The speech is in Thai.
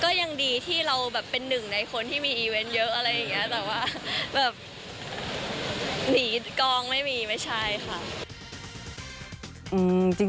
ก็ยังดีที่เราแบบเป็นหนึ่งในคนที่มีอีเวนต์เยอะอะไรอย่างนี้แบบว่าแบบหนีกองไม่มีไม่ใช่ค่ะ